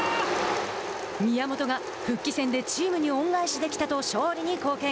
宮本が復帰戦で「チームに恩返しできた」と勝利に貢献。